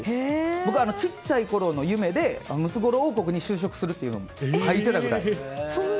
僕はちっちゃいころの夢でムツゴロウ王国に就職するといっていたぐらい。